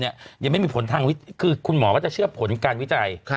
ยังไม่มีผลทางคือคุณหมอก็จะเชื่อผลการวิจัย